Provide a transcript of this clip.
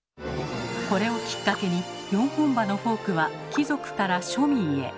これをきっかけに４本歯のフォークは貴族から庶民へ。